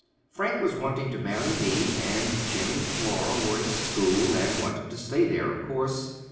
Frank was wanting to marry me, and Jim and Flora were in school and wanted to stay there, of course.